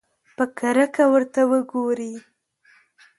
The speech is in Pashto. په کرکه ورته وګوري.